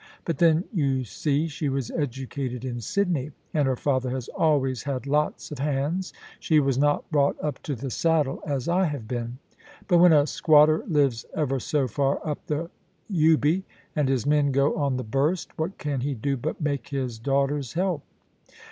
But then you see she was educated in Sydney, and her father has always had lots of hands. She was not brought up to the saddle as I have been. But when a squatter lives ever so far up the Ubi, and his men go on the burst, what can he do but make his daughters help